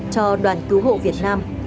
cho đoàn cứu hộ việt nam